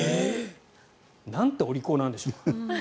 なんてお利口なんでしょうか。